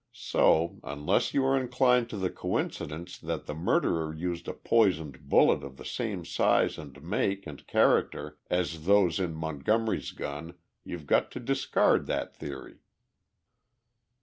So, unless you are inclined to the coincidence that the murderer used a poisoned bullet of the same size and make and character as those in Montgomery's gun, you've got to discard that theory."